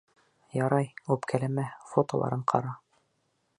Ярай, үпкәләмә, фотоларын ҡара.